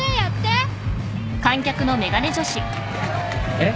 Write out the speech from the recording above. えっ？